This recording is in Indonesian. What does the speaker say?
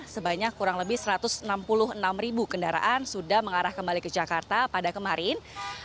sebanyak kurang lebih satu ratus enam puluh enam ribu kendaraan sudah mengarah kembali ke jakarta pada kemarin